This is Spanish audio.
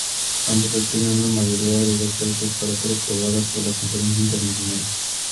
Ambos requieren una mayoría de dos tercios para ser aprobadas por la Conferencia Internacional.